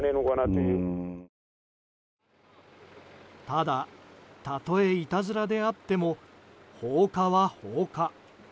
ただ、たとえいたずらであっても放火は放火。